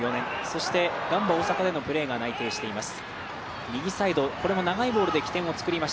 そして、ガンバ大阪でのプレーが内定しています。